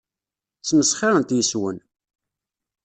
Ssmesxirent yes-wen.